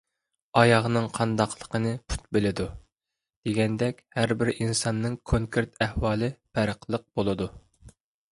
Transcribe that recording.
«ئاياغنىڭ قانداقلىقىنى پۇت بىلىدۇ» دېگەندەك، ھەربىر ئىنساننىڭ كونكرېت ئەھۋالى پەرقلىق بولىدۇ.